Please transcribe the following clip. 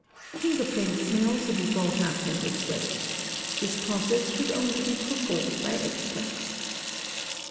Finger prints may also be brought out in this way", — This process should only be performed by experts.